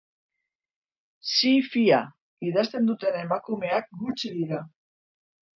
Zi-fia idazten duten emakumeak gutxi dira.